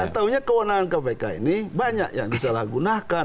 karena kewenangan kpk ini banyak yang disalahgunakan